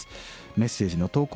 メッセージの投稿